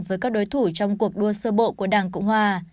với các đối thủ trong cuộc đua sơ bộ của đảng cộng hòa